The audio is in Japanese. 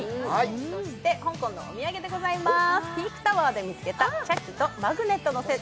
そして香港のお土産でございます。